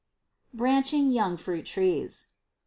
Branching Young Fruit Trees.